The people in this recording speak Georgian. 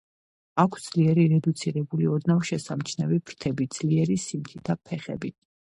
აქვთ ძლიერ რედუცირებული, ოდნავ შესამჩნევი ფრთები, ძლიერი, სამთითა ფეხები.